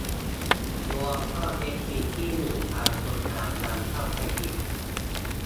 รวมข้อเท็จจริงที่หนุ่มบางคนอาจยังเข้าใจผิด